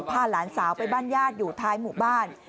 พาหลานสาวไปบ้านญาติอยู่ท้ายหมู่บ้าน